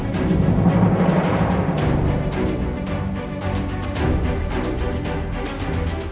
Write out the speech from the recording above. sinap kamu pergi kemana saja